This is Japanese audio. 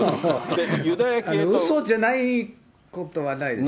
うそじゃないことはないです。